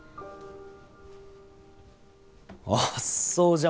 あっそう。